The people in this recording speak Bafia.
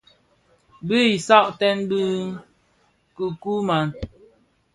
Bu i sààdee bi kikumàg.